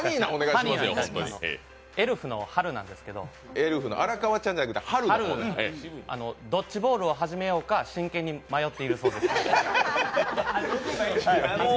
エルフのはるなんですけど、ドッジボールを始めようか、真剣に迷っているそうです。